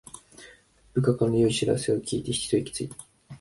部下からの良い知らせを聞いてひと息ついた